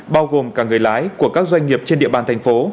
bao gồm cả người lái của các doanh nghiệp trên địa bàn thành phố